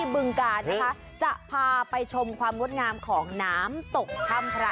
บึงกาลนะคะจะพาไปชมความงดงามของน้ำตกถ้ำพระ